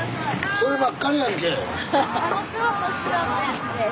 そればっかりやんけ。